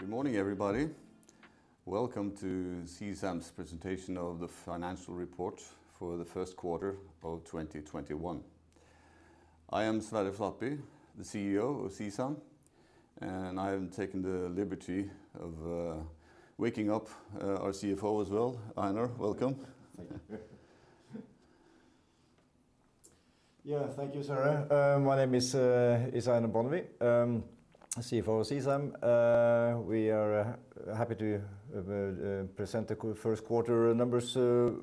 Good morning, everybody. Welcome to CSAM's presentation of the financial report for the first quarter of 2021. I am Sverre Flatby, the CEO of CSAM, and I have taken the liberty of waking up our CFO as well. Einar, welcome. Yeah, thank you, Sverre. My name is Einar Bonnevie, CFO of CSAM. We are happy to present the first quarter numbers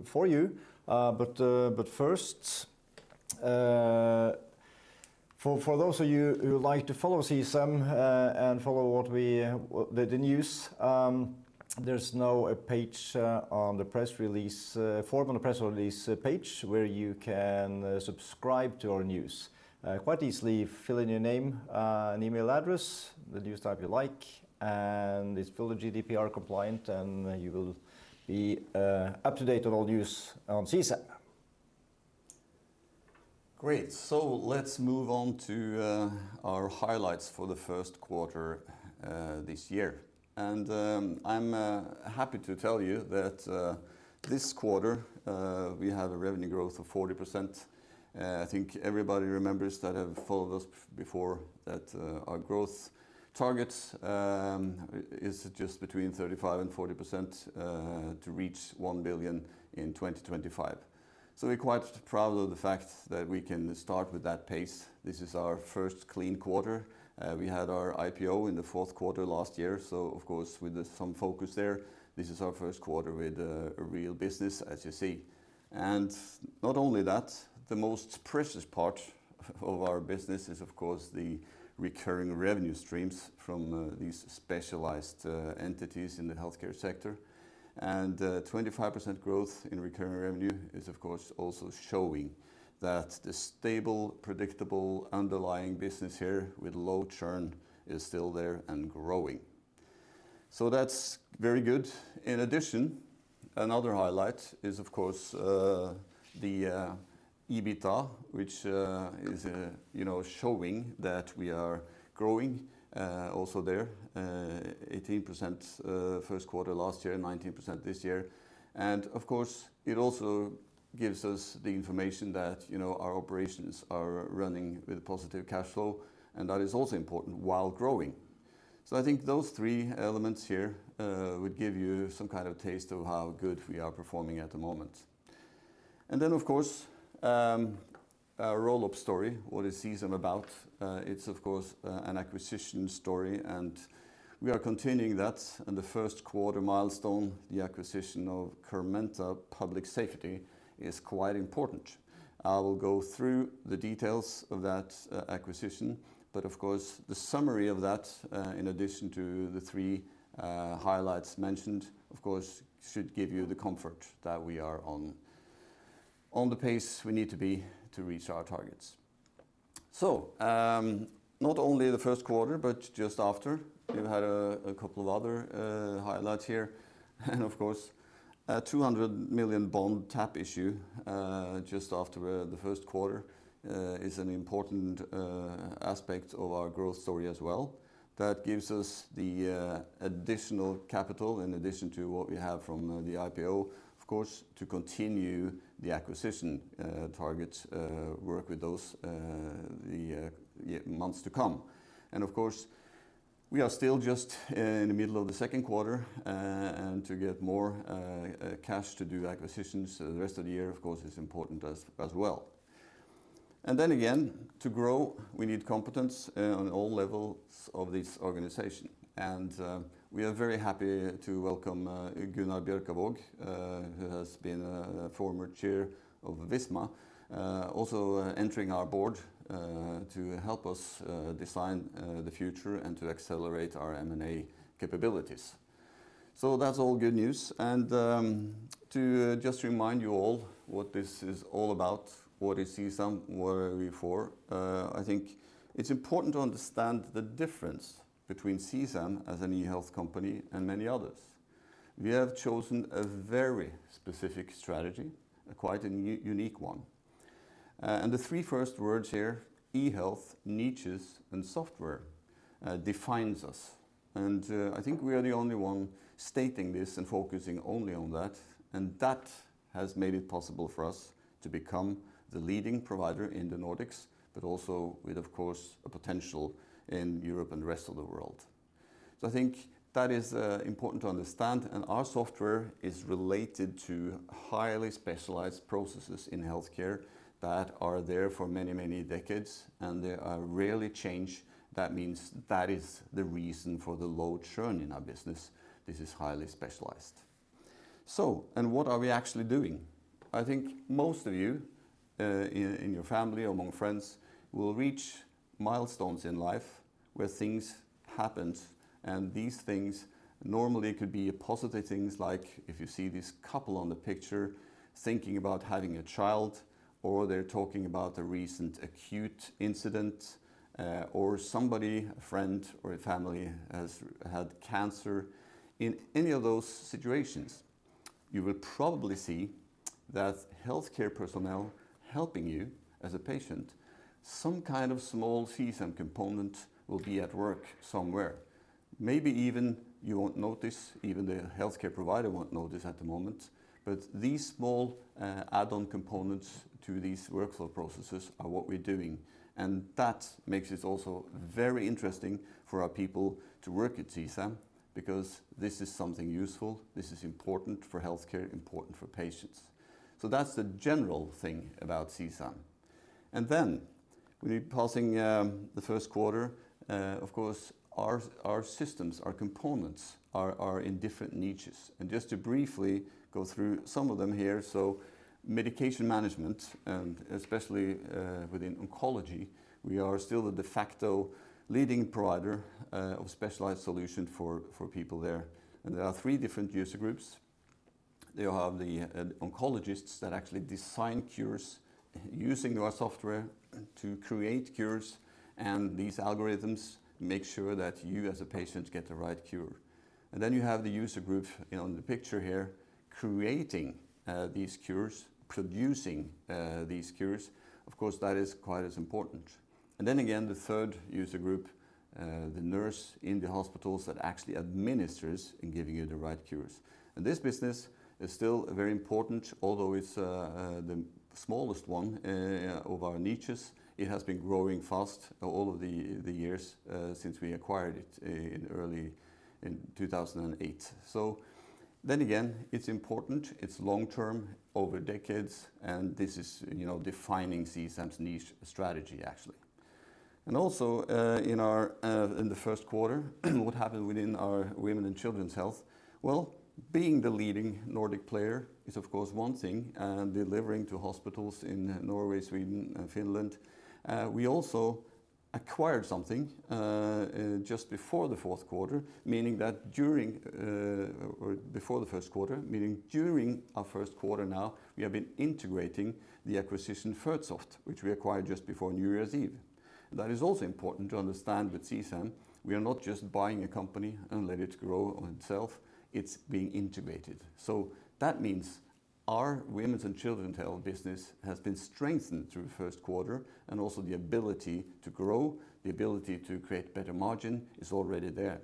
for you. First, for those of you who would like to follow CSAM and follow the news, there's now a formal press release page where you can subscribe to our news. Quite easily fill in your name and email address, the news type you like, and it's fully GDPR compliant, and you will be up to date on all news on CSAM. Great. Let's move on to our highlights for the first quarter this year. I'm happy to tell you that this quarter we had a revenue growth of 40%. I think everybody remembers that have followed us before, that our growth target is just between 35% and 40% to reach 1 billion in 2025. We're quite proud of the fact that we can start with that pace. This is our first clean quarter. We had our IPO in the fourth quarter last year, so of course, with some focus there. This is our first quarter with a real business, as you see. Not only that, the most precious part of our business is, of course, the recurring revenue streams from these specialized entities in the healthcare sector. 25% growth in recurring revenue is, of course, also showing that the stable, predictable underlying business here with low churn is still there and growing. That's very good. In addition, another highlight is, of course, the EBITDA, which is showing that we are growing also there, 18% first quarter last year and 19% this year. Of course, it also gives us the information that our operations are running with positive cash flow, and that is also important while growing. I think those three elements here would give you some kind of taste of how good we are performing at the moment. Then, of course, our roll-up story, what is CSAM about? It's of course, an acquisition story, and we are continuing that. The first quarter milestone, the acquisition of Carmenta Public Safety, is quite important. I will go through the details of that acquisition, of course, the summary of that, in addition to the three highlights mentioned, of course, should give you the comfort that we are on the pace we need to be to reach our targets. Not only the first quarter, but just after, we've had a couple of other highlights here. Of course, a 200 million bond tap issue just after the first quarter is an important aspect of our growth story as well. That gives us the additional capital in addition to what we have from the IPO, of course, to continue the acquisition targets work with those the months to come. Of course, we are still just in the middle of the second quarter and to get more cash to do acquisitions the rest of the year, of course, is important as well. To grow, we need competence on all levels of this organization. We are very happy to welcome Gunnar Bjørkavåg, who has been a former chair of Visma, also entering our board to help us design the future and to accelerate our M&A capabilities. That's all good news. To remind you all what this is all about, what is CSAM? What are we for? I think it's important to understand the difference between CSAM as an eHealth company and many others. We have chosen a very specific strategy, quite a unique one. The three first words here, eHealth, niches, and software defines us. I think we are the only one stating this and focusing only on that, and that has made it possible for us to become the leading provider in the Nordics, but also with, of course, a potential in Europe and the rest of the world. I think that is important to understand, and our software is related to highly specialized processes in healthcare that are there for many, many decades, and they are rarely changed. That means that is the reason for the low churn in our business. This is highly specialized. What are we actually doing? I think most of you in your family, among friends, will reach milestones in life where things happen. These things normally could be positive things like if you see this couple on the picture thinking about having a child, or they're talking about a recent acute incident, or somebody, a friend, or a family has had cancer. In any of those situations. You will probably see that healthcare personnel helping you as a patient, some kind of small CSAM component will be at work somewhere. Maybe even you won't notice, even the healthcare provider won't notice at the moment, these small add-on components to these workflow processes are what we're doing. That makes it also very interesting for our people to work at CSAM because this is something useful, this is important for healthcare, important for patients. That's the general thing about CSAM. Then we're passing the first quarter, of course, our systems, our components are in different niches. Just to briefly go through some of them here, Medication Management, and especially within oncology, we are still the de facto leading provider of specialized solution for people there. There are three different user groups. You have the oncologists that actually design cures using our software to create cures, and these algorithms make sure that you as a patient get the right cure. You have the user group in the picture here, creating these cures, producing these cures. Of course, that is quite as important. The third user group, the nurse in the hospitals that actually administers in giving you the right cures. This business is still very important, although it's the smallest one of our niches. It has been growing fast all of the years since we acquired it in 2008. Again, it's important, it's long-term, over decades, and this is defining CSAM's niche strategy, actually. In the first quarter, what happened within our Women & Child Health? Well, being the leading Nordic player is, of course, one thing, and delivering to hospitals in Norway, Sweden, and Finland. We also acquired something just before the fourth quarter, meaning that during or before the first quarter, meaning during our first quarter now, we have been integrating the acquisition Fertsoft, which we acquired just before New Year's Eve. That is also important to understand with CSAM, we are not just buying a company and let it grow on itself. It's being integrated. That means our Women & Child Health business has been strengthened through the first quarter, and also the ability to grow, the ability to create better margin is already there.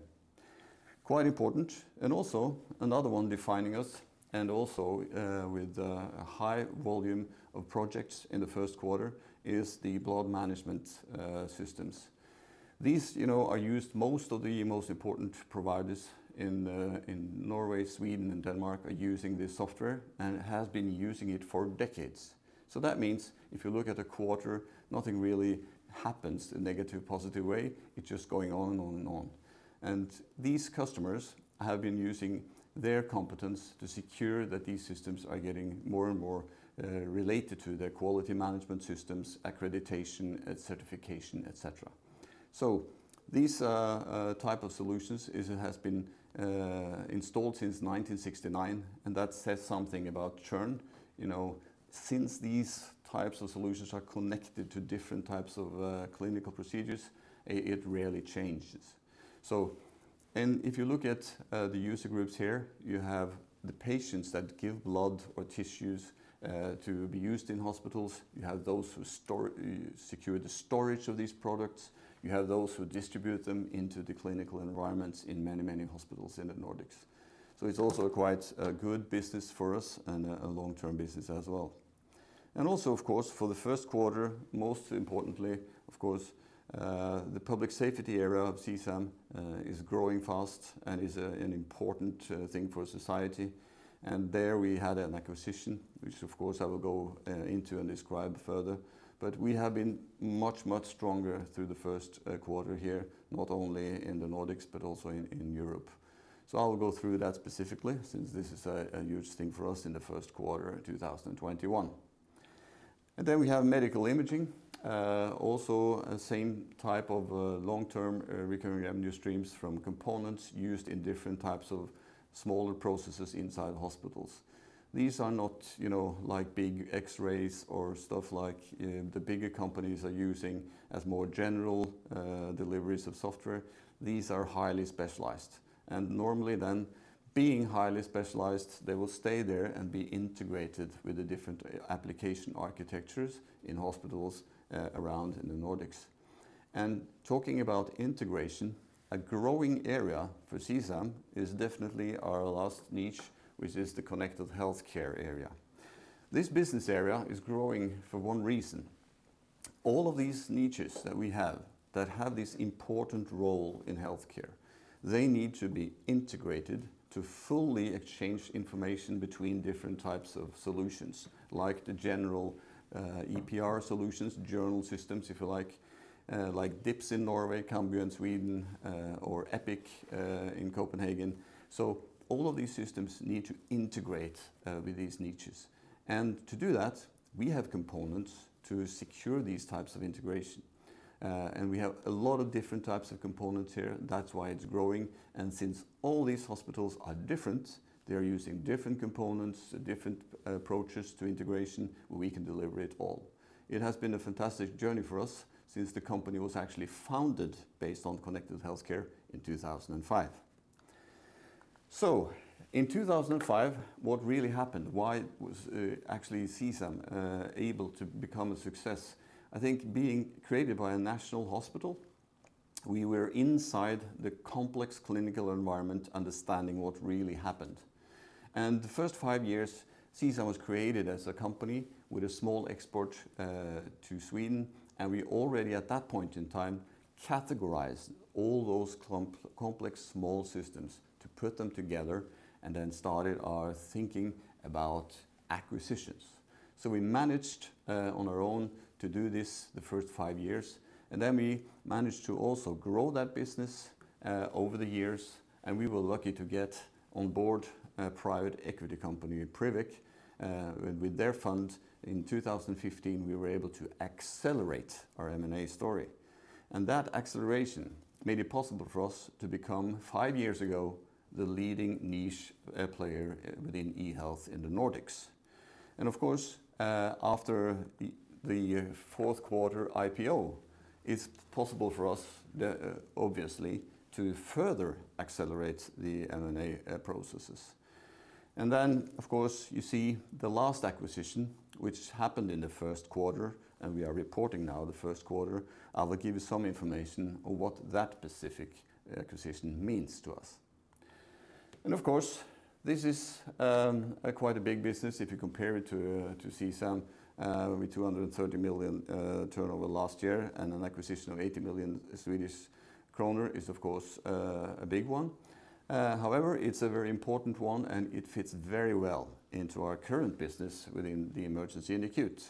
Quite important, and also another one defining us and also with a high volume of projects in the first quarter is the Blood Management systems. These are used, most of the most important providers in Norway, Sweden, and Denmark are using this software, and have been using it for decades. That means if you look at a quarter, nothing really happens in negative, positive way. It's just going on and on and on. These customers have been using their competence to secure that these systems are getting more and more related to their quality management systems, accreditation, certification, et cetera. These type of solutions, it has been installed since 1969, and that says something about churn. Since these types of solutions are connected to different types of clinical procedures, it rarely changes. If you look at the user groups here, you have the patients that give blood or tissues to be used in hospitals. You have those who secure the storage of these products. You have those who distribute them into the clinical environments in many, many hospitals in the Nordics. It's also quite a good business for us and a long-term business as well. Also, of course, for the first quarter, most importantly, of course, the Public Safety area of CSAM is growing fast and is an important thing for society. There we had an acquisition, which of course, I will go into and describe further. We have been much, much stronger through the first quarter here, not only in the Nordics, but also in Europe. I will go through that specifically since this is a huge thing for us in the first quarter of 2021. We have Medical Imaging, also same type of long-term recurring revenue streams from components used in different types of smaller processes inside hospitals. These are not like big X-rays or stuff like the bigger companies are using as more general deliveries of software. These are highly specialized. Normally then, being highly specialized, they will stay there and be integrated with the different application architectures in hospitals around in the Nordics. Talking about integration, a growing area for CSAM is definitely our last niche, which is the Connected Healthcare area. This business area is growing for one reason. All of these niches that we have that have this important role in healthcare, they need to be integrated to fully exchange information between different types of solutions, like the general EPR solutions, journal systems, if you like DIPS in Norway, Cambio in Sweden, or Epic in Copenhagen. All of these systems need to integrate with these niches. To do that, we have components to secure these types of integration. We have a lot of different types of components here. That's why it's growing. Since all these hospitals are different, they're using different components, different approaches to integration, we can deliver it all. It has been a fantastic journey for us since the company was actually founded based on Connected Healthcare in 2005. In 2005, what really happened? Why was actually CSAM able to become a success? I think being created by a national hospital, we were inside the complex clinical environment understanding what really happened. The first five years, CSAM was created as a company with a small export to Sweden, and we already at that point in time categorized all those complex small systems to put them together and then started our thinking about acquisitions. We managed on our own to do this the first five years, and then we managed to also grow that business over the years, and we were lucky to get on board a private equity company, Priveq. With their fund in 2015, we were able to accelerate our M&A story, and that acceleration made it possible for us to become, five years ago, the leading niche player within e-Health in the Nordics. After the fourth quarter IPO, it's possible for us, obviously, to further accelerate the M&A processes. You see the last acquisition, which happened in the first quarter, and we are reporting now the first quarter. I will give you some information on what that specific acquisition means to us. This is quite a big business if you compare it to CSAM with 230 million turnover last year, and an acquisition of 80 million Swedish kronor is of course a big one. However, it's a very important one, and it fits very well into our current business within the emergency and acute.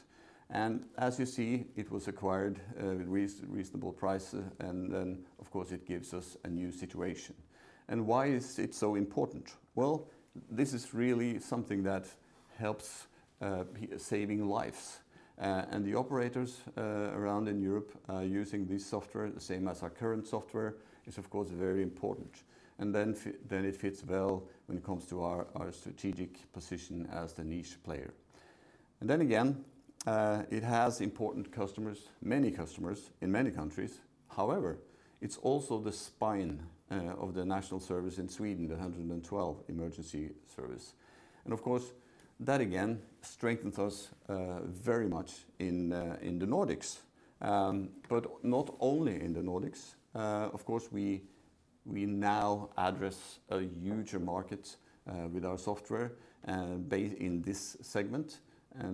As you see, it was acquired at a reasonable price, and then of course, it gives us a new situation. Why is it so important? Well, this is really something that helps saving lives. The operators around in Europe are using this software the same as our current software, is of course, very important, and then it fits well when it comes to our strategic position as the niche player. Then again, it has important customers, many customers in many countries. However, it's also the spine of the national service in Sweden, the 112 emergency service. Of course, that again strengthens us very much in the Nordics. Not only in the Nordics, of course, we now address a huge market with our software based in this segment.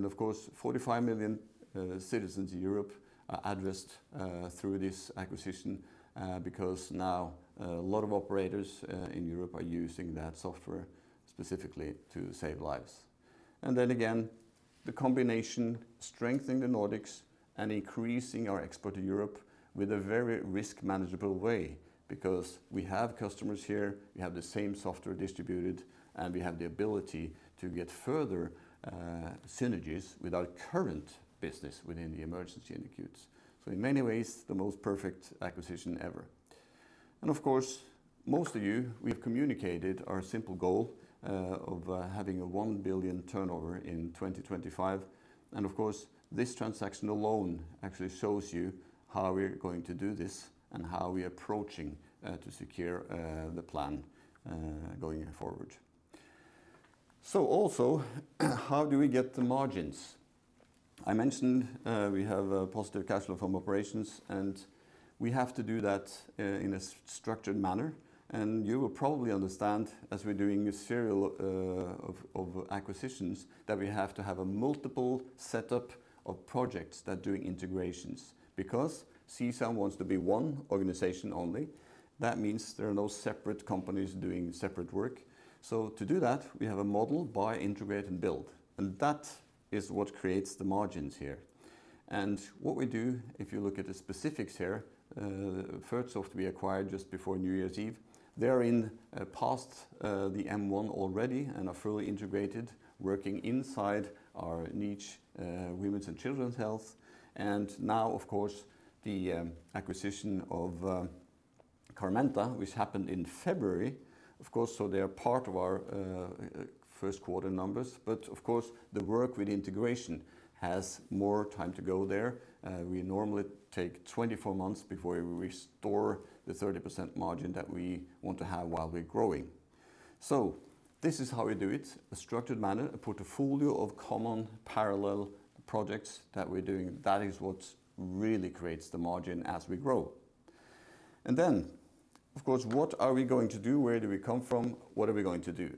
Of course, 45 million citizens in Europe are addressed through this acquisition because now a lot of operators in Europe are using that software specifically to save lives. Then again, the combination strengthen the Nordics and increasing our export to Europe with a very risk manageable way because we have customers here, we have the same software distributed, and we have the ability to get further synergies with our current business within the emergency and acute. In many ways, the most perfect acquisition ever. Of course, most of you, we've communicated our simple goal of having a 1 billion turnover in 2025. Of course, this transaction alone actually shows you how we are going to do this and how we are approaching to secure the plan going forward. Also, how do we get the margins? I mentioned we have a positive cash flow from operations. We have to do that in a structured manner. You will probably understand as we're doing a serial of acquisitions, that we have to have a multiple setup of projects that do integrations. CSAM wants to be one organization only. That means there are no separate companies doing separate work. To do that, we have a model buy, integrate, and build. That is what creates the margins here. What we do, if you look at the specifics here, Fertsoft we acquired just before New Year's Eve. They're in past the M1 already and are fully integrated, working inside our niche Women & Child Health. Now, of course, the acquisition of Carmenta, which happened in February, of course, so they are part of our first quarter numbers, but of course, the work with integration has more time to go there. We normally take 24 months before we restore the 30% margin that we want to have while we're growing. This is how we do it, a structured manner, a portfolio of common parallel projects that we're doing. That is what really creates the margin as we grow. Then, of course, what are we going to do? Where do we come from? What are we going to do?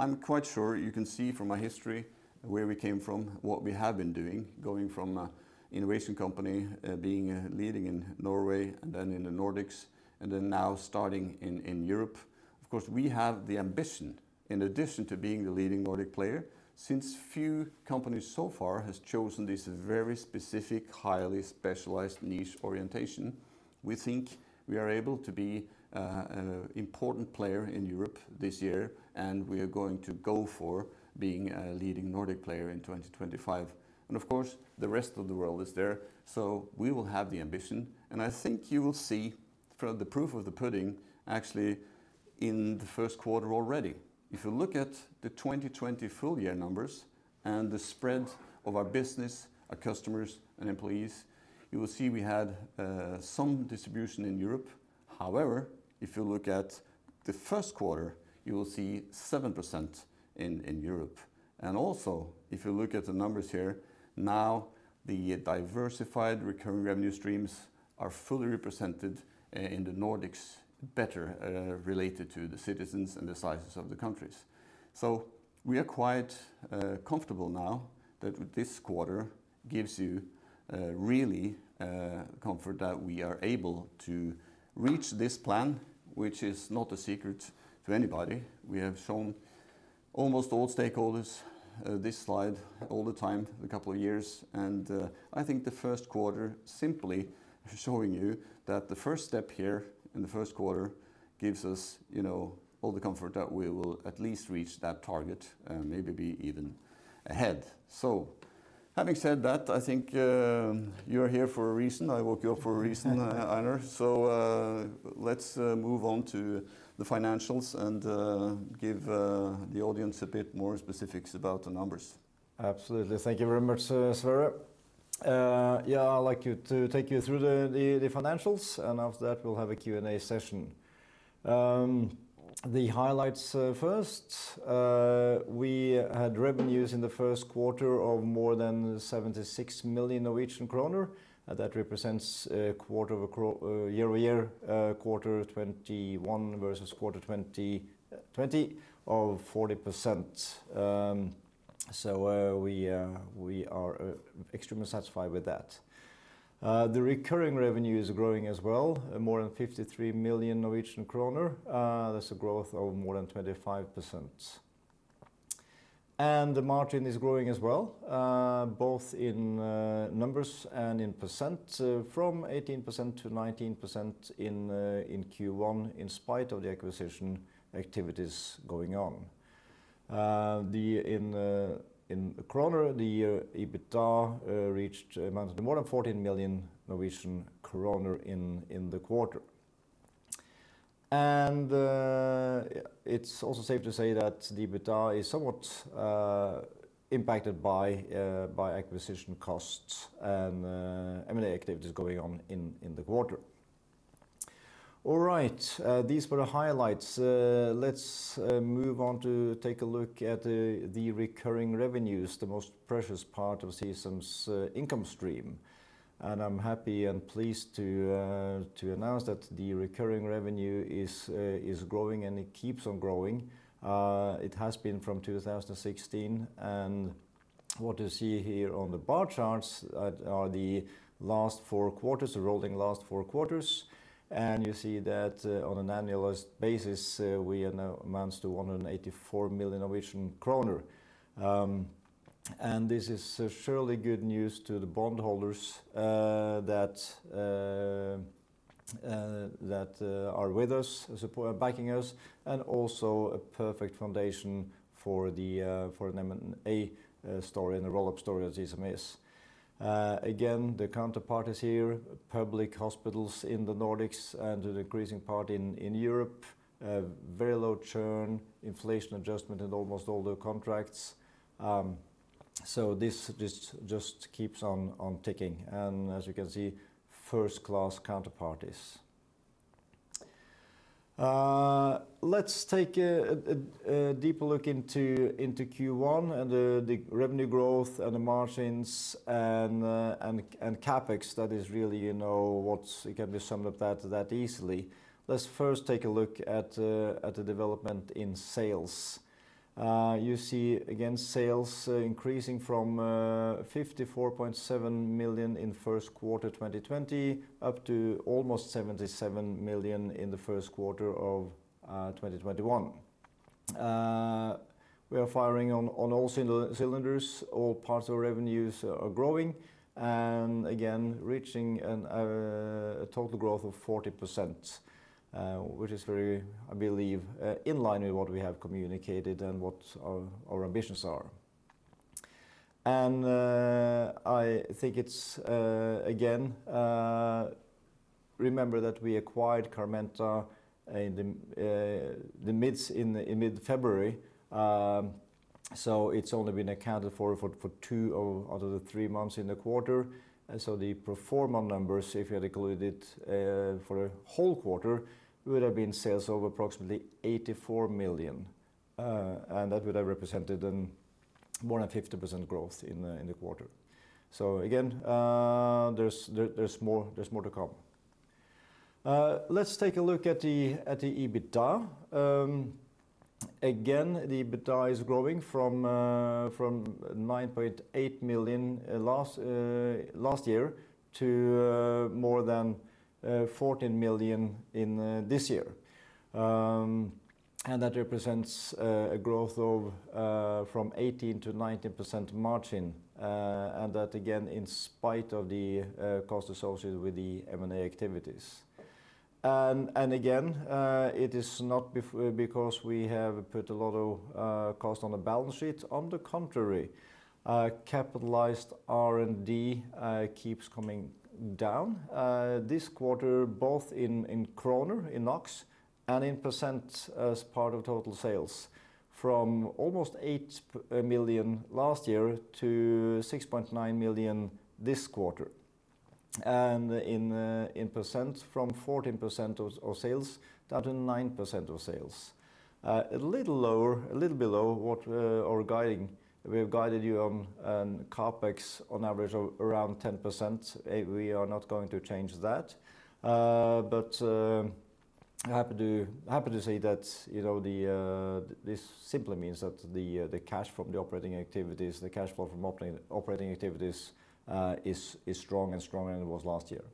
I'm quite sure you can see from our history where we came from, what we have been doing, going from an innovation company, being leading in Norway and then in the Nordics, and then now starting in Europe. Of course, we have the ambition, in addition to being the leading Nordic player, since few companies so far has chosen this very specific, highly specialized niche orientation, we think we are able to be an important player in Europe this year, and we are going to go for being a leading Nordic player in 2025. Of course, the rest of the world is there, so we will have the ambition, and I think you will see from the proof of the pudding actually in the first quarter already. If you look at the 2020 full year numbers and the spread of our business, our customers, and employees, you will see we had some distribution in Europe. However, if you look at the first quarter, you will see 7% in Europe. Also, if you look at the numbers here, now the diversified recurring revenue streams are fully represented in the Nordics better related to the citizens and the sizes of the countries. We are quite comfortable now that this quarter gives you really comfort that we are able to reach this plan, which is not a secret to anybody. We have shown almost all stakeholders this slide all the time for a couple of years, and I think the first quarter simply showing you that the first step here in the first quarter gives us all the comfort that we will at least reach that target and maybe be even ahead. Having said that, I think you're here for a reason. I woke you up for a reason, Einar. Let's move on to the financials and give the audience a bit more specifics about the numbers. Absolutely. Thank you very much, Sverre. I'd like to take you through the financials, and after that, we'll have a Q&A session. The highlights first. We had revenues in the first quarter of more than 76 million Norwegian kroner, and that represents a year-over-year, quarter 2021 versus quarter 2020 of 40%. We are extremely satisfied with that. The recurring revenue is growing as well, at more than 53 million Norwegian kroner. That's a growth of more than 25%. The margin is growing as well, both in numbers and in percent, from 18%-19% in Q1, in spite of the acquisition activities going on. In Norwegian kroner, the EBITDA reached more than 14 million Norwegian kroner in the quarter. It's also safe to say that the EBITDA is somewhat impacted by acquisition costs and M&A activities going on in the quarter. All right. These were the highlights. Let's move on to take a look at the recurring revenues, the most precious part of CSAM's income stream. I'm happy and pleased to announce that the recurring revenue is growing and it keeps on growing. It has been from 2016. What you see here on the bar charts are the last four quarters, the rolling last four quarters. You see that on an annualized basis, we announced 184 million Norwegian kroner. This is surely good news to the bondholders that are with us, backing us, and also a perfect foundation for the M&A story and the roll-up story that CSAM is. Again, the counterparties here, public hospitals in the Nordics and a decreasing part in Europe, very low churn, inflation adjustment in almost all their contracts. This just keeps on ticking. As you can see, first-class counterparties. Let's take a deeper look into Q1 and the revenue growth and the margins and CapEx. That is really what you can summarize that easily. Let's first take a look at the development in sales. You see, again, sales increasing from 54.7 million in first quarter 2020 up to almost 77 million in the first quarter of 2021. We are firing on all cylinders. All parts of revenues are growing and again, reaching a total growth of 40%, which is very, I believe, in line with what we have communicated and what our ambitions are. I think it's, again, remember that we acquired Carmenta in mid-February, so it's only been accounted for two out of the three months in the quarter. The pro forma numbers, if you had included it for a whole quarter, would have been sales of approximately 84 million, and that would have represented more than 50% growth in the quarter. Again, there's more to come. Let's take a look at the EBITDA. Again, the EBITDA is growing from 9.8 million last year to more than 14 million this year. That represents a growth from 18% to 19% margin. That, again, in spite of the cost associated with the M&A activities. Again, it is not because we have put a lot of cost on the balance sheet. On the contrary, capitalized R&D keeps coming down. This quarter, both in kroner, in NOK, and in percent as part of total sales, from almost 8 million last year to 6.9 million this quarter. In percent, from 14% of sales, down to 9% of sales. A little below what we have guided you on in CapEx on average of around 10%. We are not going to change that. Happy to say that this simply means that the cash flow from operating activities is as strong as it was last year.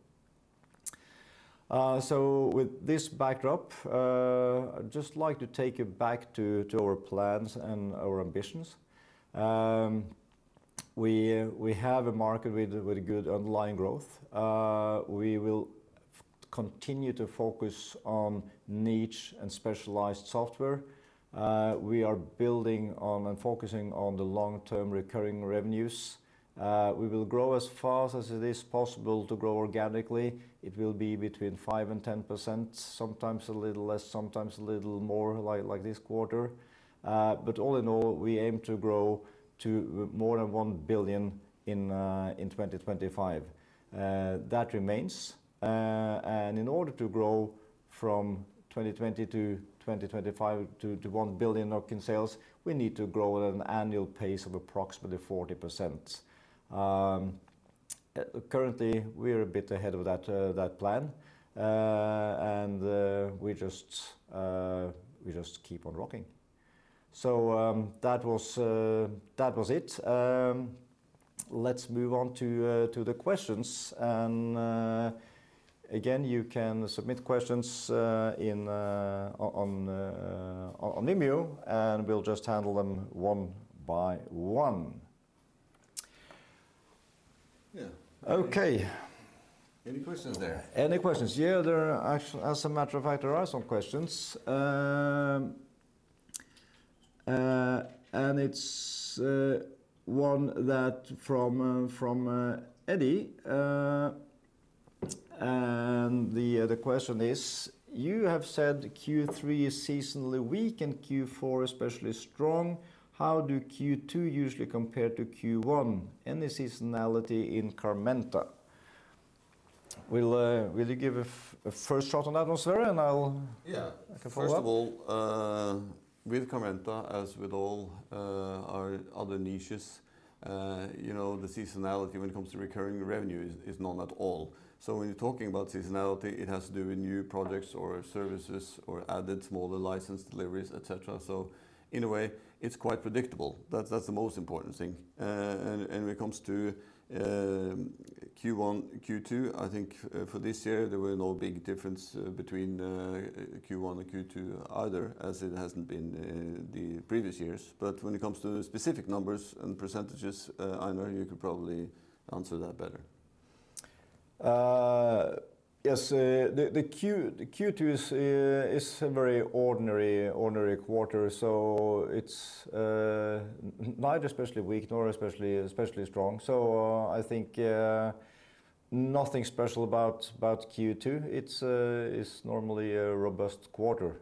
With this backdrop, I'd just like to take it back to our plans and our ambitions. We have a market with a good underlying growth. We will continue to focus on niche and specialized software. We are building on and focusing on the long-term recurring revenues. We will grow as fast as it is possible to grow organically. It will be between 5% and 10%, sometimes a little less, sometimes a little more, like this quarter. All in all, we aim to grow to more than 1 billion in 2025. That remains. In order to grow from 2020 to 2025 to 1 billion in sales, we need to grow at an annual pace of approximately 40%. Currently, we're a bit ahead of that plan. We just keep on rocking. That was it. Let's move on to the questions. Again, you can submit questions on Nimio, and we'll just handle them one by one. Yeah. Okay. Any questions there? Any questions? Yeah, as a matter of fact, there are some questions. It's one that from Eddie, and the question is, You have said Q3 is seasonally weak and Q4 especially strong. How do Q2 usually compare to Q1? Any seasonality in Carmenta? Will you give a first shot on that one, Sverre, and I can follow up? First of all, with Carmenta, as with all our other niches, the seasonality when it comes to recurring revenue is none at all. When you're talking about seasonality, it has to do with new projects or services or added smaller license deliveries, et cetera. In a way, it's quite predictable. That's the most important thing. When it comes to Q1, Q2, I think for this year, there were no big difference between Q1 and Q2 either, as it hasn't been the previous years. When it comes to specific numbers and percentages, Einar, you could probably answer that better. Yes. The Q2 is a very ordinary quarter, so it's neither especially weak nor especially strong. I think nothing special about Q2. It's normally a robust quarter,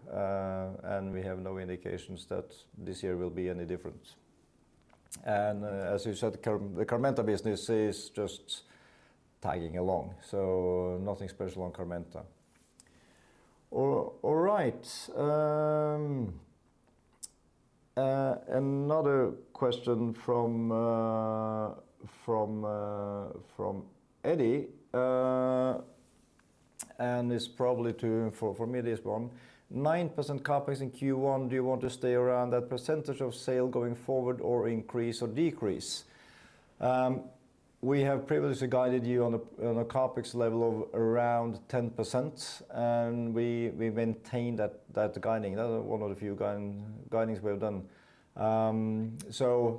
and we have no indications that this year will be any different. As you said, the Carmenta business is just tagging along, so nothing special on Carmenta. All right. Another question from Eddie, and it's probably for me, this one. 9% CapEx in Q1, do you want to stay around that percentage of sale going forward or increase or decrease? We have previously guided you on a CapEx level of around 10%, and we maintain that guiding. Another one of the few guidings we have done. 9%,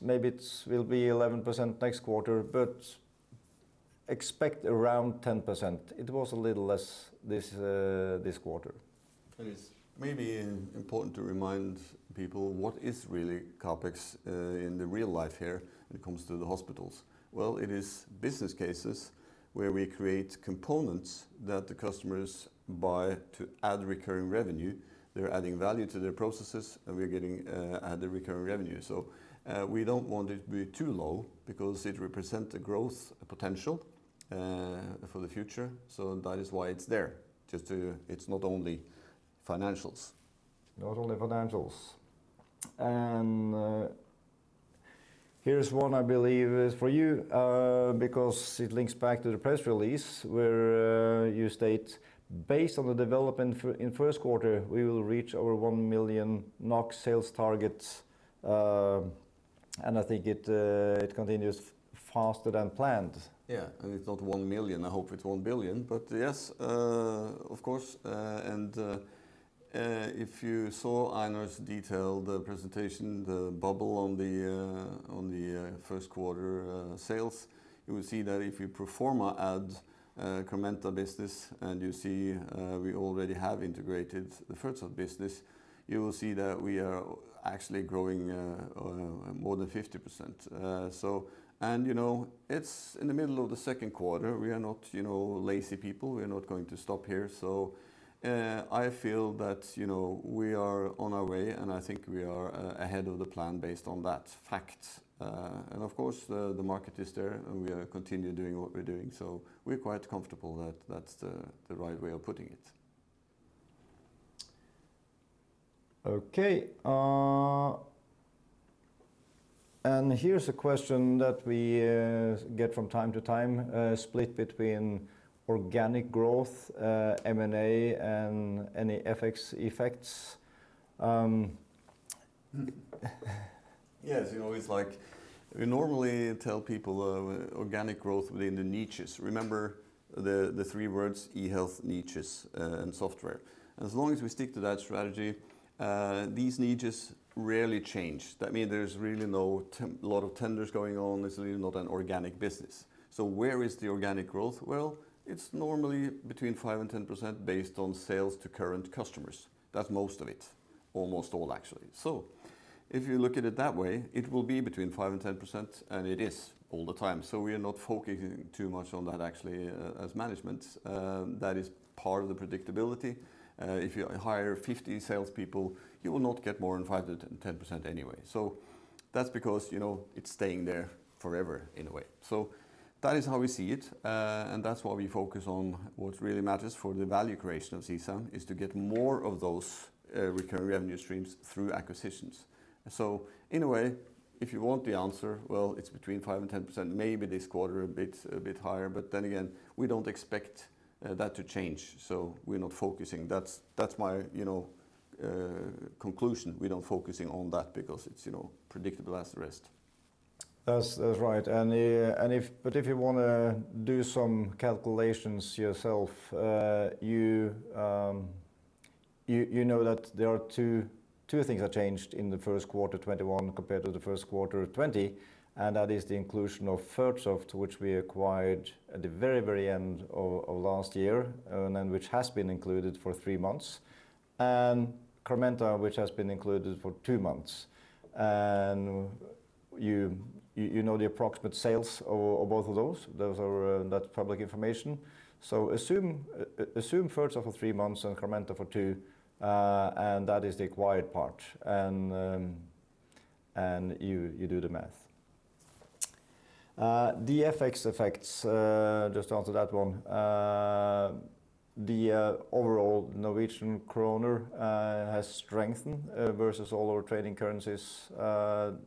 maybe it will be 11% next quarter, but expect around 10%. It was a little less this quarter. It's maybe important to remind people what is really CapEx in the real life here when it comes to the hospitals. Well, it is business cases where we create components that the customers buy to add recurring revenue. They're adding value to their processes, and we're getting added recurring revenue. We don't want it to be too low because it represent a growth potential for the future. That is why it's there. It's not only financials. Not only financials. Here is one I believe is for you, because it links back to the press release where you state, based on the development in first quarter, we will reach our 1 million NOK sales targets, and I think it continues faster than planned. Yeah. It's not 1 million, I hope it's 1 billion. Yes, of course. If you saw Einar's detailed presentation, the bubble on the first quarter sales, you will see that if you pro forma add Carmenta business, and you see we already have integrated the Fertsoft business, you will see that we are actually growing more than 50%. It's in the middle of the second quarter. We are not lazy people. We are not going to stop here. I feel that we are on our way, and I think we are ahead of the plan based on that fact. Of course, the market is there, and we continue doing what we're doing. We're quite comfortable that that's the right way of putting it. Okay. Here's a question that we get from time to time, split between organic growth, M&A, and any FX effects. Yes, we normally tell people organic growth within the niches. Remember the three words, eHealth niches and software. As long as we stick to that strategy, these niches rarely change. There's really no lot of tenders going on. It's really not an organic business. Where is the organic growth? Well, it's normally between 5% and 10% based on sales to current customers. That's most of it. Almost all, actually. If you look at it that way, it will be between 5% and 10%, and it is all the time. We are not focusing too much on that, actually, as management. That is part of the predictability. If you hire 50 salespeople, you will not get more than 5% to 10% anyway. That's because it's staying there forever, in a way. That is how we see it, and that's why we focus on what really matters for the value creation of CSAM, is to get more of those recurring revenue streams through acquisitions. In a way, if you want the answer, well, it's between 5% and 10%, maybe this quarter a bit higher. Again, we don't expect that to change, we're not focusing. That's my conclusion. We're not focusing on that because it's predictable as the rest. That's right. If you want to do some calculations yourself, you know that two things have changed in the first quarter 2021 compared to the first quarter of 2020, and that is the inclusion of Fertsoft, which we acquired at the very, very end of last year, and then which has been included for three months, and Carmenta, which has been included for two months. You know the approximate sales of both of those. Those are public information. Assume Fertsoft for three months and Carmenta for two, That is the acquired part, and you do the math. The FX effects, just to answer that one. The overall Norwegian kroner has strengthened versus all our trading currencies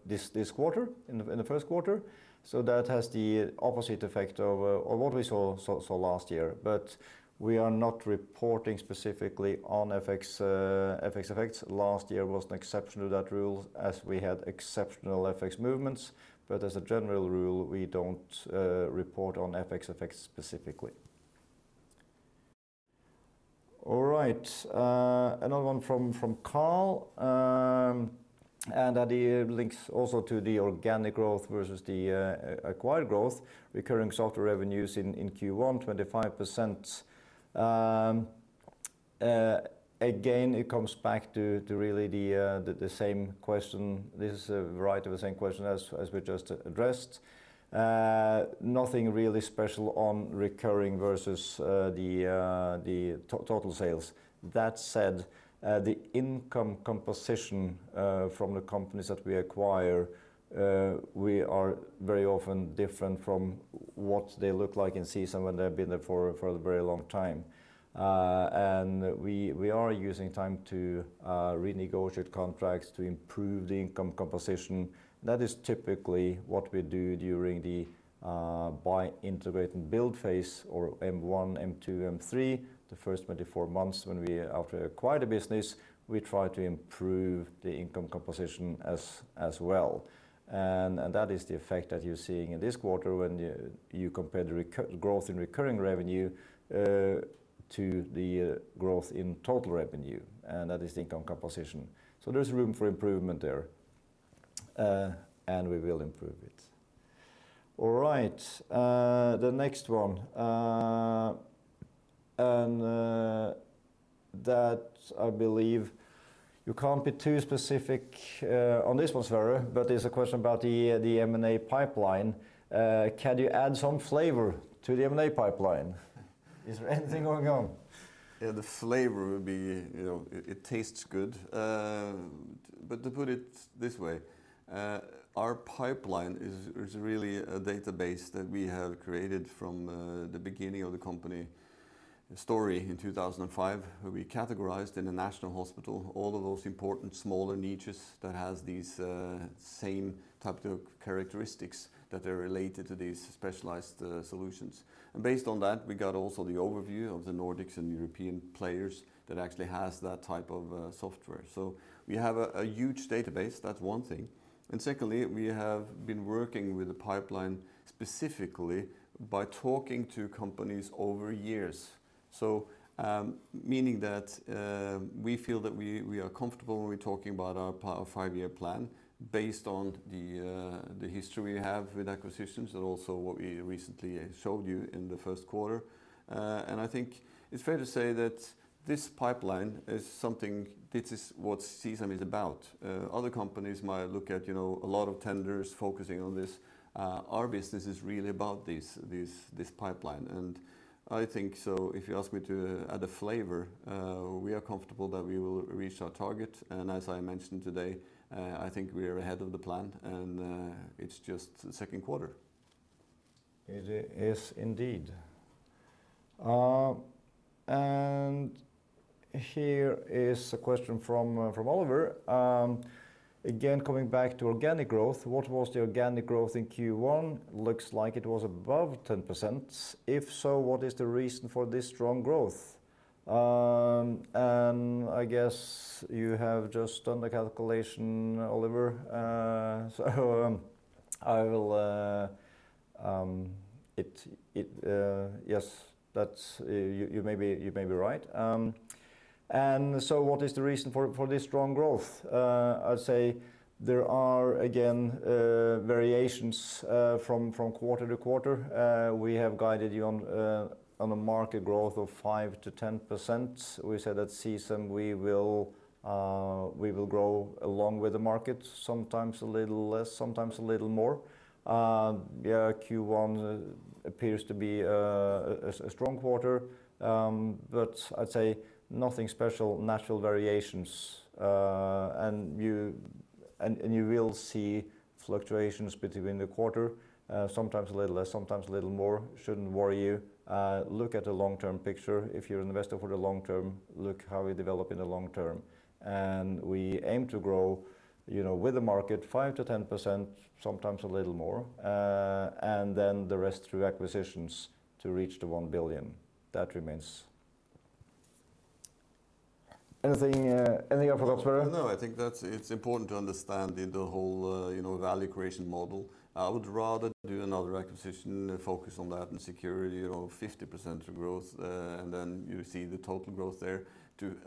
this quarter, in the first quarter. That has the opposite effect of what we saw last year. We are not reporting specifically on FX effects. Last year was an exception to that rule as we had exceptional FX movements. As a general rule, we don't report on FX effects specifically. All right. Another one from Carl, and that links also to the organic growth versus the acquired growth, recurring software revenues in Q1, 25%. Again, it comes back to really the same question. This is a variety of the same question as we just addressed. Nothing really special on recurring versus the total sales. That said, the income composition from the companies that we acquire, we are very often different from what they look like in CSAM when they've been there for a very long time. We are using time to renegotiate contracts to improve the income composition. That is typically what we do during the buy, integrate, and build phase, or M1, M2, M3, the first 24 months when after we acquire the business, we try to improve the income composition as well. That is the effect that you're seeing in this quarter when you compare the growth in recurring revenue to the growth in total revenue, and that is the income composition. There's room for improvement there, and we will improve it. All right. The next one, and that, I believe you can't be too specific on this one, Sverre, but there's a question about the M&A pipeline. Can you add some flavor to the M&A pipeline? Is there anything going on? Yeah, the flavor would be it tastes good. To put it this way, our pipeline is really a database that we have created from the beginning of the company story in 2005, where we categorized in a national hospital all of those important smaller niches that has these same type of characteristics that are related to these specialized solutions. Based on that, we got also the overview of the Nordics and European players that actually has that type of software. We have a huge database. That's one thing. Secondly, we have been working with the pipeline specifically by talking to companies over years. Meaning that we feel that we are comfortable when we're talking about our five-year plan based on the history we have with acquisitions and also what we recently showed you in the first quarter. I think it's fair to say that this pipeline is what CSAM is about. Other companies might look at a lot of tenders focusing on this. Our business is really about this pipeline. I think if you ask me to add a flavor, we are comfortable that we will reach our target. As I mentioned today, I think we are ahead of the plan, and it's just the second quarter. Yes, indeed. Here is a question from Oliver. Again, coming back to organic growth, what was the organic growth in Q1? Looks like it was above 10%. If so, what is the reason for this strong growth? I guess you have just done the calculation, Oliver. You may be right. What is the reason for this strong growth? I'd say there are, again, variations from quarter to quarter. We have guided you on a market growth of 5%-10%. We said at CSAM we will grow along with the market, sometimes a little less, sometimes a little more. Q1 appears to be a strong quarter. I'd say nothing special, natural variations. You will see fluctuations between the quarter, sometimes a little less, sometimes a little more. Shouldn't worry you. Look at the long-term picture. If you're invested for the long term, look how we develop in the long term. We aim to grow with the market 5%-10%, sometimes a little more, and then the rest through acquisitions to reach the 1 billion. That remains. Anything you want to add, Sverre? No, I think it's important to understand the whole value creation model. I would rather do one acquisition and focus on that and secure 50% growth and then you see the total growth there.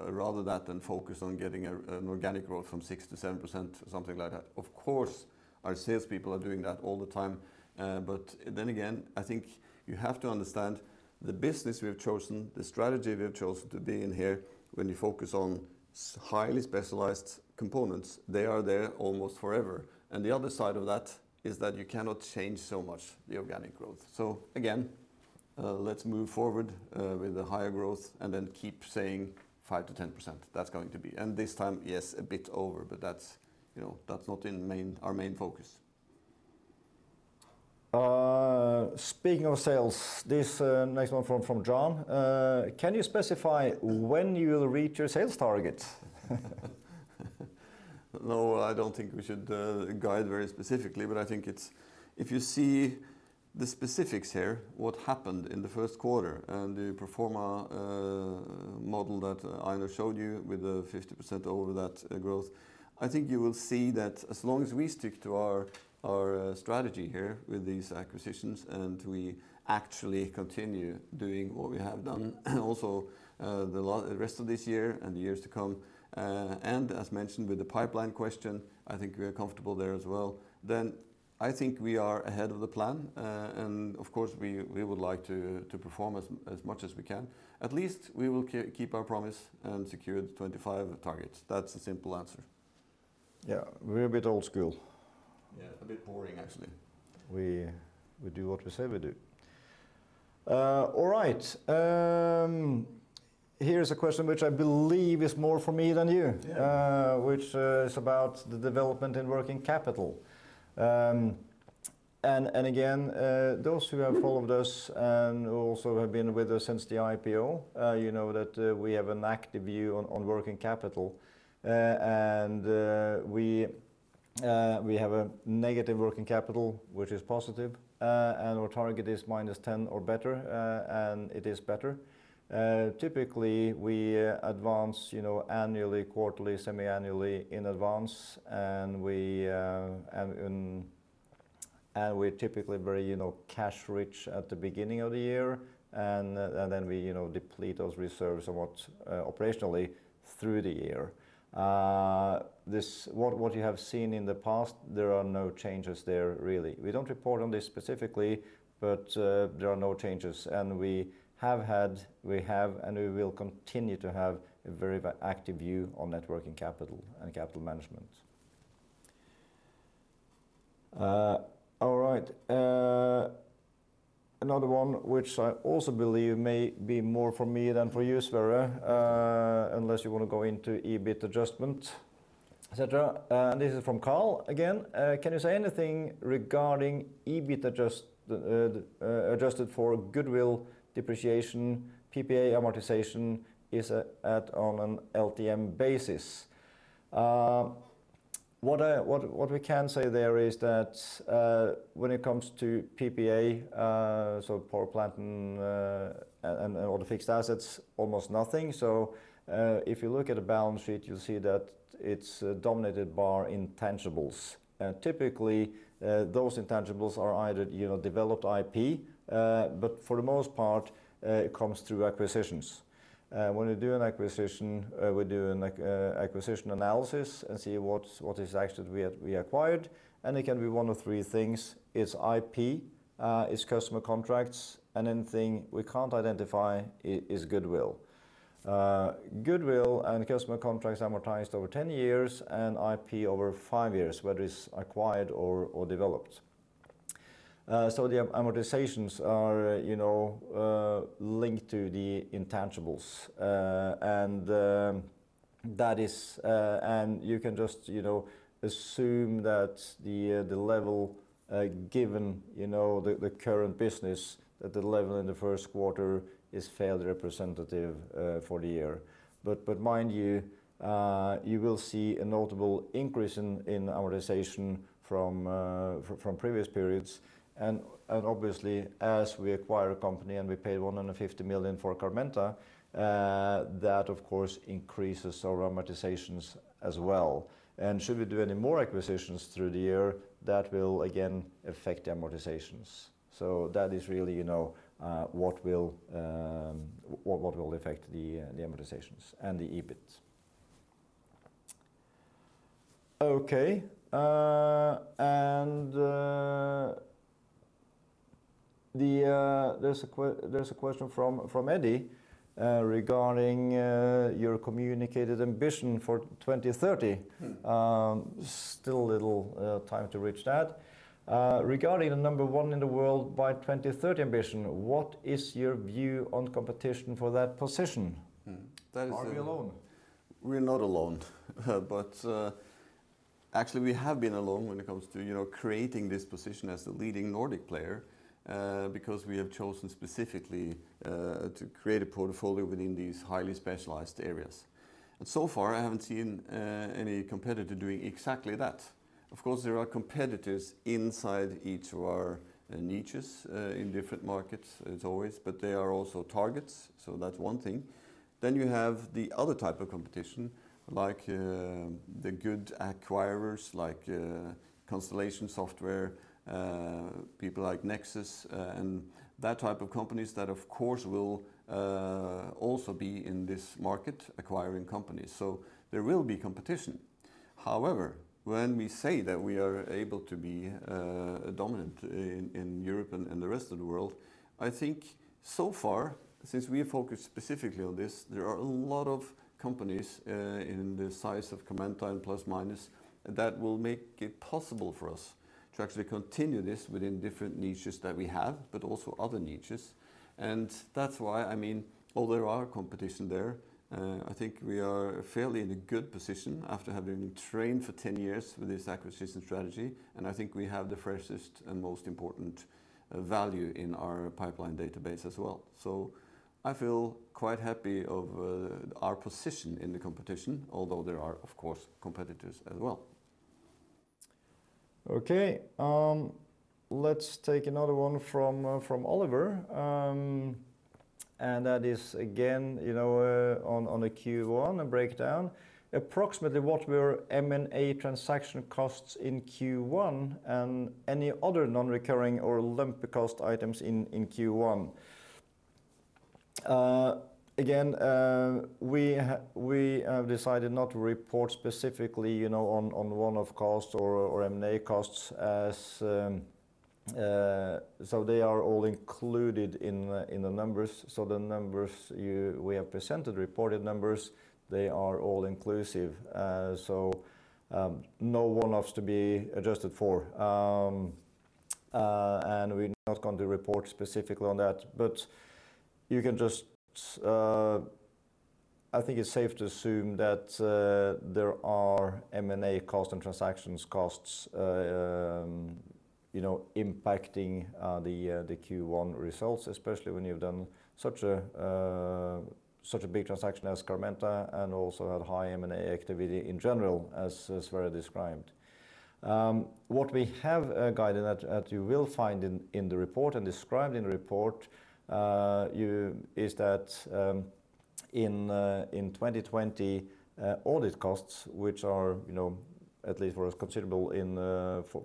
Rather that than focus on getting an organic growth from 6%-7%, something like that. Of course, our salespeople are doing that all the time. Then again, I think you have to understand the business we've chosen, the strategy we've chosen to be in here, when you focus on highly specialized components, they are there almost forever. The other side of that is that we cannot change so much the organic growth. Again, let's move forward with the high growth and then keep saying 5%-10% that's going to be. This time, yes, a bit over, but that's not our main focus. Speaking of sales, this next one from John. Can you specify when you will reach your sales targets? No, I don't think we should guide very specifically, but I think if you see the specifics here, what happened in the first quarter and the pro forma model that Einar showed you with the 50% over that growth, I think you will see that as long as we stick to our strategy here with these acquisitions and we actually continue doing what we have done, and also the rest of this year and the years to come, and as mentioned with the pipeline question, I think we are comfortable there as well, then I think we are ahead of the plan. Of course, we would like to perform as much as we can. At least we will keep our promise and secure the 25 targets. That's the simple answer. Yeah, we're a bit old school. Yeah, a bit boring, actually. We do what we say we do. All right. Here's a question which I believe is more for me than you. Yeah which is about the development in working capital. Again, those who have followed us and also have been with us since the IPO, you know that we have an active view on working capital. We have a negative working capital, which is positive, and our target is -10 or better, and it is better. Typically, we advance annually, quarterly, semi-annually in advance, and we're typically very cash-rich at the beginning of the year, and then we deplete those reserves somewhat operationally through the year. What you have seen in the past, there are no changes there, really. We don't report on this specifically, but there are no changes. We have had, we have, and we will continue to have a very active view on net working capital and capital management. All right. Another one which I also believe may be more for me than for you, Sverre, unless you want to go into EBIT adjustment, et cetera. This is from Carl again. Can you say anything regarding EBIT adjusted for goodwill depreciation, PPA amortization is at on an LTM basis? What we can say there is that when it comes to PPA, so Power Plant and all the fixed assets, almost nothing. If you look at a balance sheet, you'll see that it's dominated by intangibles. Typically, those intangibles are either developed IP but for the most part, it comes through acquisitions. When we do an acquisition, we do an acquisition analysis and see what is actually we acquired, and it can be one of three things: It's IP, it's customer contracts, and anything we can't identify is goodwill. Goodwill and customer contracts amortized over 10 years and IP over five years, whether it's acquired or developed. The amortizations are linked to the intangibles. You can just assume that the level given the current business, that the level in the first quarter is fairly representative for the year. Mind you will see a notable increase in amortization from previous periods. Obviously, as we acquire a company and we pay 150 million for Carmenta, that of course increases our amortizations as well. Should we do any more acquisitions through the year, that will again affect amortizations. That is really what will affect the amortizations and the EBIT. Okay. There's a question from Eddie regarding your communicated ambition for 2030. Still a little time to reach that. Regarding the number one in the world by 2030 ambition, what is your view on competition for that position? Mm-hmm. Are we alone? We're not alone. Actually, we have been alone when it comes to creating this position as the leading Nordic player, because we have chosen specifically to create a portfolio within these highly specialized areas. So far, I haven't seen any competitor doing exactly that. Of course, there are competitors inside each of our niches in different markets as always, but they are also targets. That's one thing. You have the other type of competition, like the good acquirers like Constellation Software, people like Nexus, and that type of companies that of course will also be in this market acquiring companies. There will be competition. When we say that we are able to be dominant in Europe and the rest of the world, I think so far, since we are focused specifically on this, there are a lot of companies in the size of Carmenta and plus minus that will make it possible for us to actually continue this within different niches that we have, but also other niches. That's why, although our competition there, I think we are fairly in a good position after having trained for 10 years with this acquisition strategy, and I think we have the freshest and most important value in our pipeline database as well. I feel quite happy of our position in the competition, although there are, of course, competitors as well. Okay. Let's take another one from Oliver. That is again, on the Q1 breakdown. Approximately what were M&A transaction costs in Q1 and any other non-recurring or lump cost items in Q1? Again, we have decided not to report specifically on one-off costs or M&A costs. They are all included in the numbers. The numbers we have presented, reported numbers, they are all inclusive. No one-offs to be adjusted for. We're not going to report specifically on that. I think it's safe to assume that there are M&A cost and transactions costs impacting the Q1 results, especially when you've done such a big transaction as Carmenta and also had high M&A activity in general, as Sverre described. What we have guided, that you will find in the report and described in the report, is that in 2020, audit costs, which are at least were considerable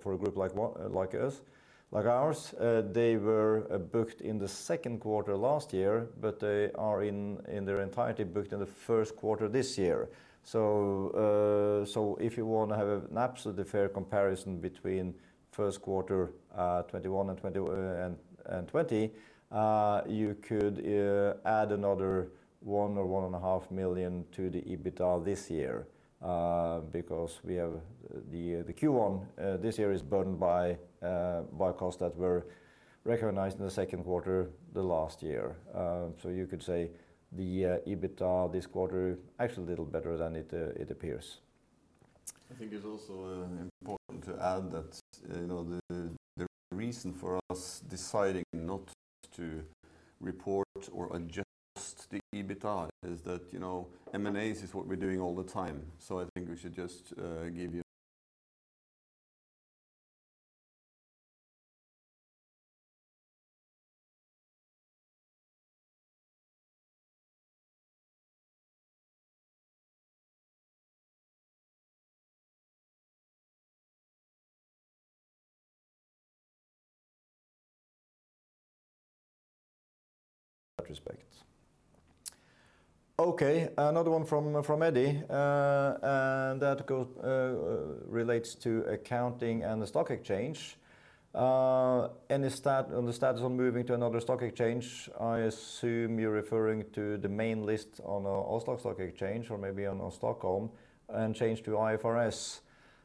for a group like ours, they were booked in the second quarter last year. They are in their entirety booked in the first quarter this year. If you want to have an absolutely fair comparison between first quarter 2021 and 2020, you could add another 1 million or 1.5 million to the EBITDA this year, because the Q1 this year is burdened by costs that were recognized in the second quarter the last year. You could say the EBITDA this quarter actually a little better than it appears. I think it's also important to add that the reason for us deciding not to report or adjust EBITDA is that M&A is what we're doing all the time. I think we should just give you respect. Okay, another one from Eddie, and that relates to accounting and the stock exchange. Any stats on moving to another stock exchange? I assume you're referring to the main list on Oslo Stock Exchange or maybe on Stockholm and change to IFRS.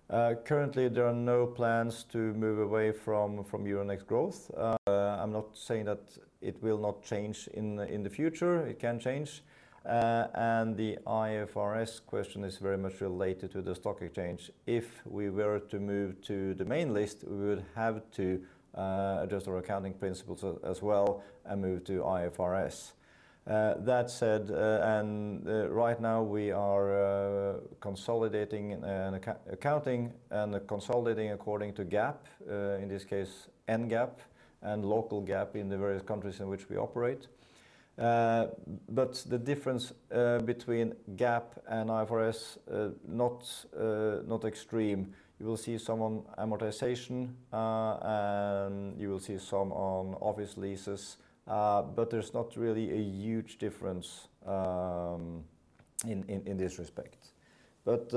Currently, there are no plans to move away from Euronext Growth. I'm not saying that it will not change in the future. It can change. The IFRS question is very much related to the stock exchange. If we were to move to the main list, we would have to adjust our accounting principles as well and move to IFRS. That said, right now we are accounting and consolidating according to GAAP, in this case, NGAAP, and local GAAP in the various countries in which we operate. The difference between GAAP and IFRS is not extreme. You will see some on amortization, and you will see some on office leases, but there's not really a huge difference in this respect. That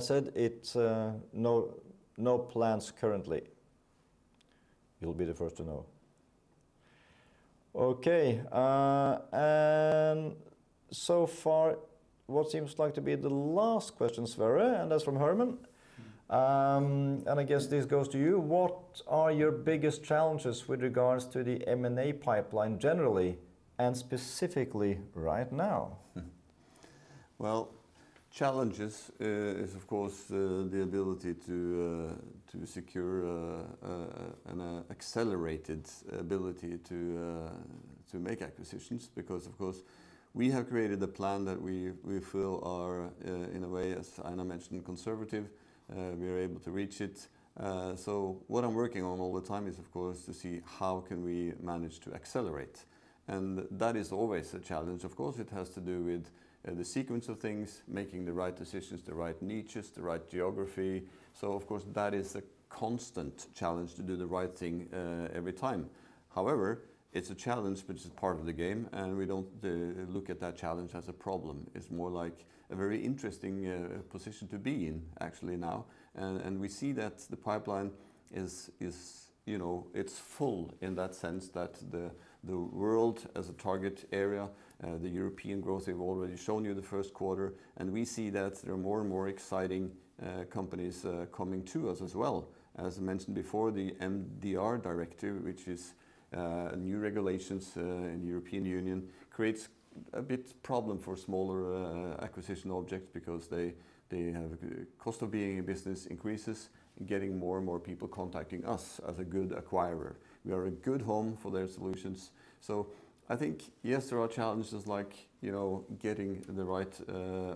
said, no plans currently. You'll be the first to know. Okay. So far, what seems like to be the last question, Sverre, and that's from Herman. I guess this goes to you. What are your biggest challenges with regards to the M&A pipeline generally and specifically right now? Challenges is of course, the ability to secure an accelerated ability to make acquisitions because, of course, we have created a plan that we feel are, in a way, as Einar mentioned, conservative. We are able to reach it. What I'm working on all the time is, of course, to see how can we manage to accelerate, and that is always a challenge. It has to do with the sequence of things, making the right decisions, the right niches, the right geography. That is a constant challenge to do the right thing every time. However, it's a challenge which is part of the game, and we don't look at that challenge as a problem. It's more like a very interesting position to be in actually now. We see that the pipeline is full in that sense that the world as a target area, the European growth I have already shown you the first quarter, and we see that there are more and more exciting companies coming to us as well. As I mentioned before, the MDR directive, which is new regulations in the European Union, creates a bit problem for smaller acquisition objects because the cost of being in business increases and getting more and more people contacting us as a good acquirer. We are a good home for their solutions. I think, yes, there are challenges like getting the right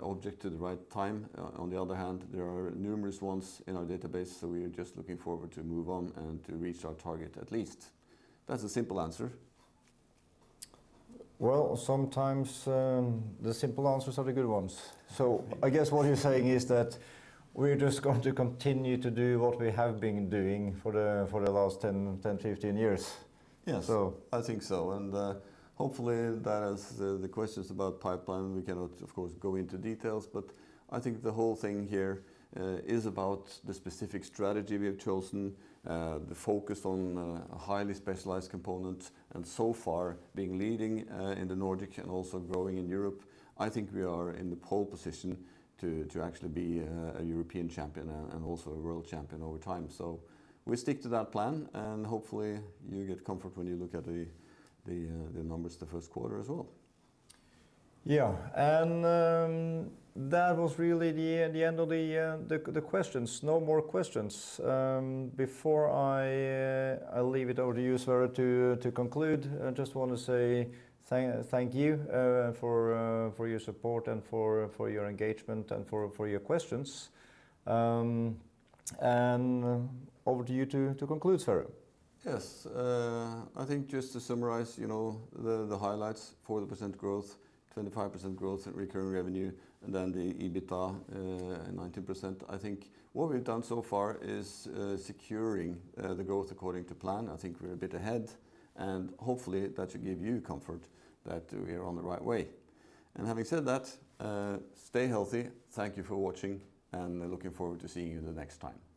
object at the right time. On the other hand, there are numerous ones in our database, so we are just looking forward to move on and to reach our target at least. That's the simple answer. Well, sometimes the simple answers are the good ones. I guess what you're saying is that we're just going to continue to do what we have been doing for the last 10, 15 years. Yes, I think so. Hopefully that answers the questions about pipeline. We cannot, of course, go into details, but I think the whole thing here is about the specific strategy we have chosen, the focus on highly specialized components, and so far being leading in the Nordic and also growing in Europe. I think we are in the pole position to actually be a European champion and also a world champion over time. We stick to that plan, and hopefully you get comfort when you look at the numbers the first quarter as well. Yeah. That was really the end of the questions. No more questions. Before I leave it over to you, Sverre, to conclude, I just want to say thank you for your support and for your engagement and for your questions. Over to you to conclude, Sverre. Yes. I think just to summarize the highlights, 40% growth, 25% growth in recurring revenue, the EBITDA 19%. I think what we've done so far is securing the growth according to plan. I think we're a bit ahead, and hopefully that should give you comfort that we are on the right way. Having said that, stay healthy. Thank you for watching and looking forward to seeing you the next time.